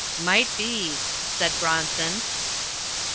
"Might be," said Bronson.